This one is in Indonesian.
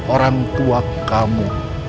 orang tua kamu